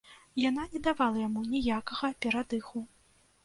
Яна не давала яму ніякага перадыху.